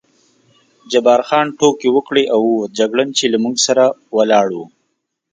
جبار خان ټوکې وکړې او ووت، جګړن چې له موږ سره ولاړ و.